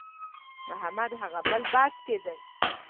محمد هغه بل بس کې دی.